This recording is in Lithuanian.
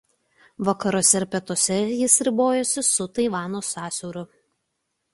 Vakaruose ir pietuose jis ribojasi su Taivano sąsiauriu.